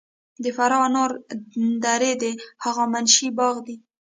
د فراه انار درې د هخامنشي باغ دی